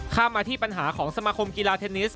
มาที่ปัญหาของสมาคมกีฬาเทนนิส